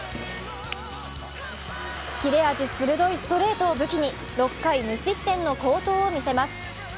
切れ味鋭いストレートを武器に６回、無失点の好投を見せます。